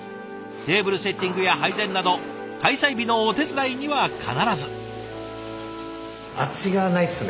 テーブルセッティングや配膳など開催日のお手伝いには必ず。